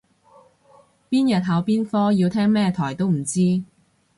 邊日考邊科要聽咩台都唔知